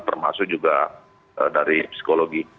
termasuk juga dari psikologi